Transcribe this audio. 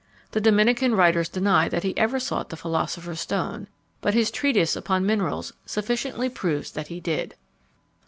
The Dominican writers deny that he ever sought the philosopher's stone, but his treatise upon minerals sufficiently proves that he did.